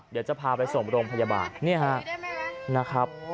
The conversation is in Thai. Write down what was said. เดี๋ยวจะพาไปส่งโรงพยาบาลนี่ฮะนะครับ